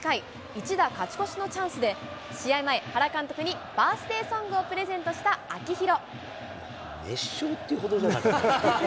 １打勝ち越しのチャンスで、試合前、原監督にバースデーソングをプレゼントした秋広。